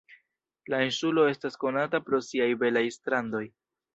La insulo estas konata pro siaj belaj strandoj.